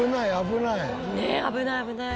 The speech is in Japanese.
ねっ危ない危ない。